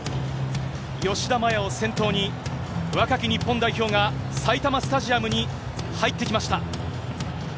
吉田麻也を先頭に、若き日本代表が埼玉スタジアムに入ってきました。